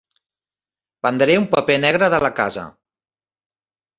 Prendré un paper negre de la casa.